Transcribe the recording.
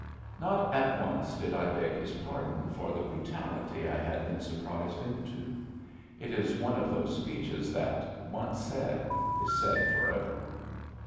Not at once did I beg his pardon for the brutality I had been surprised into. It is one of those speeches that, once said, is said forever.